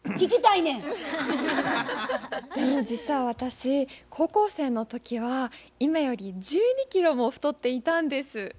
実は私高校生の時は今より１２キロも太っていたんです。